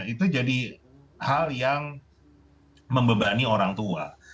itu jadi hal yang membebani orang tua